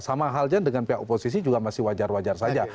sama halnya dengan pihak oposisi juga masih wajar wajar saja